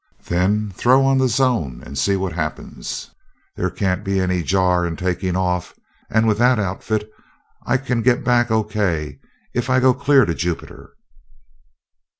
Then throw on the zone, and see what happens. There can't be any jar in taking off, and with that outfit I can get back O. K. if I go clear to Jupiter!"